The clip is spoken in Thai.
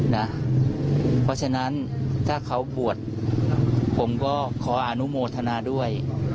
เพราะฉะนั้นถ้าเขาบวชผมก็ขออนุโมทนาด้วย